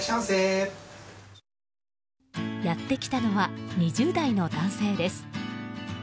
やってきたのは２０代の男性です。